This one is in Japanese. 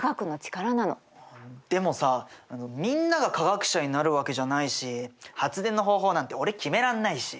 でもさみんなが科学者になるわけじゃないし発電の方法なんて俺決めらんないし。